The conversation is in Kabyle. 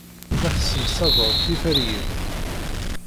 La tessemsaded tiferyin.